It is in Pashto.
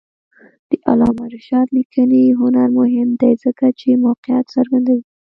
د علامه رشاد لیکنی هنر مهم دی ځکه چې موقعیت څرګندوي.